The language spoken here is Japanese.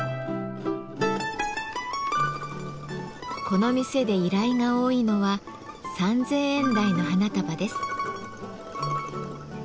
この店で依頼が多いのは３，０００円台の花束です。